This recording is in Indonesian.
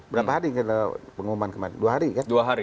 berapa hari kita pengumuman kemarin dua hari kan